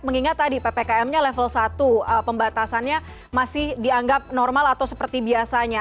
mengingat tadi ppkm nya level satu pembatasannya masih dianggap normal atau seperti biasanya